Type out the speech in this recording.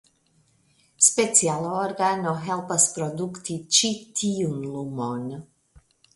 Speciala organo helpas produkti ĉi tiun lumon.